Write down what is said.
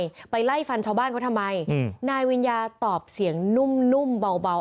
ไปไล่ฟันชาวบ้านเขาทำไมอืมนายวิญญาตอบเสียงนุ่มนุ่มเบาเบา